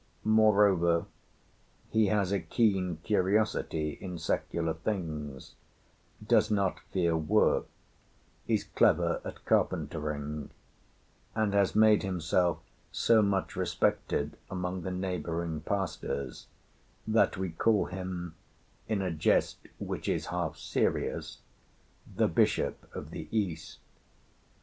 Moreover, he has a keen curiosity in secular things, does not fear work, is clever at carpentering, and has made himself so much respected among the neighbouring pastors that we call him, in a jest which is half serious, the Bishop of the East.